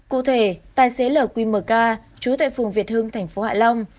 cụ thể tài xế lq chú tại phường việt hưng thành phố hạ long